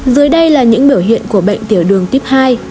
dưới đây là những biểu hiện của bệnh tiểu đường tuyếp hai